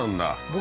僕